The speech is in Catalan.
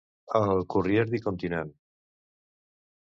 El "Courrier du continent".